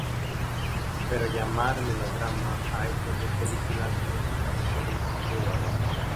Pero llamar melodrama a estas dos películas no es establecer un juicio de valor.